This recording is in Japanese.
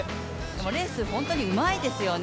レース、本当にうまいですよね。